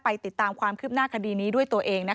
ติดตามความคืบหน้าคดีนี้ด้วยตัวเอง